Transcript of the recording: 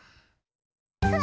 うわ！